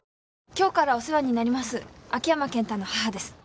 今日からお世話になります秋山健太の母です。